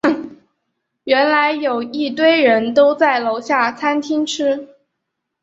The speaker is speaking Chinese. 原来有一堆人都在楼下餐厅吃